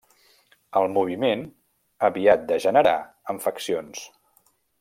El moviment aviat degenerà en faccions.